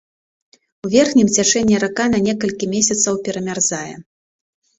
У верхнім цячэнні рака на некалькі месяцаў перамярзае.